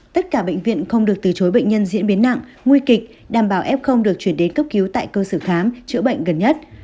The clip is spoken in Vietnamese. tất cả bệnh viện không được từ chối bệnh nhân diễn biến nặng nguy kịch đảm bảo f được chuyển đến cấp cứu tại cơ sở khám chữa bệnh gần nhất